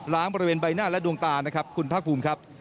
บริเวณใบหน้าและดวงตานะครับคุณภาคภูมิครับ